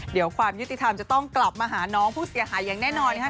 เดี๋ยวความยุติธรรมจะต้องกลับมาหาน้องผู้เสียหายอย่างแน่นอนนะครับ